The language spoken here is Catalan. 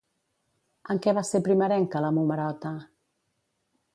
En què va ser primerenca la Momerota?